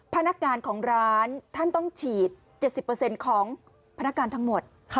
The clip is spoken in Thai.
พนักงานของร้านท่านต้องฉีด๗๐ของพนักการทั้งหมด